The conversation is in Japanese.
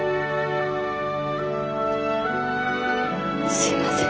すいません。